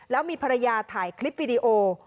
แล้วมีภรรยาถ่ายคลิปวิดีโอ